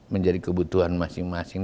menjadi kebutuhan masing masing